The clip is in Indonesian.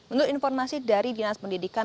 menurut informasi dari dinas pendidikan